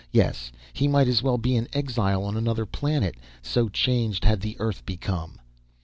Yes, he might as well be an exile on another planet so changed had the Earth become.